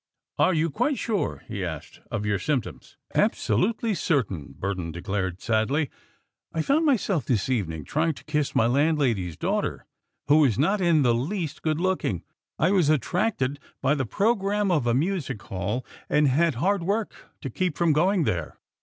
"Are you quite sure," he asked, "of your symptoms?" "Absolutely certain," Burton declared sadly. "I found myself this evening trying to kiss my landlady's daughter, who is not in the least good looking. I was attracted by the programme of a music hall and had hard work to keep from going there.